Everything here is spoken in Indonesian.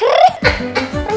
permisi mas mbak